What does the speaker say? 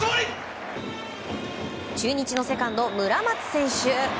中日のセカンド、村松選手